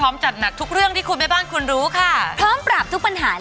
แม่บ้านประจำบ้าน